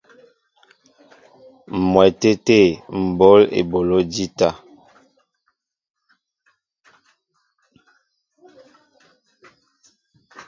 M̀wɛtê tê m̀ bǒl eboló jíta.